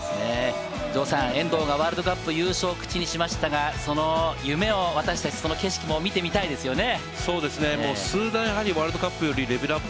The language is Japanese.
城さん、遠藤がワールドカップ優勝を口にしましたが、その夢を私達、その景色も見てみたいですよね。